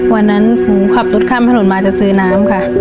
วันนั้นขับรถข้ามผ้านหลุนมาจะซื้อน้ำค่ะ